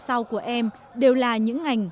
sau của em đều là những ngành